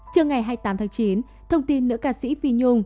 trưa ngày hai mươi tám tháng chín thông tin nữ ca sĩ phi nhung